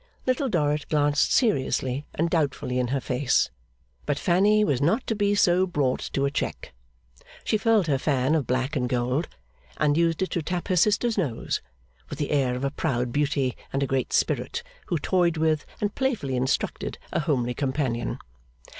Little Dorrit glanced seriously and doubtfully in her face, but Fanny was not to be so brought to a check. She furled her fan of black and gold, and used it to tap her sister's nose; with the air of a proud beauty and a great spirit, who toyed with and playfully instructed a homely companion.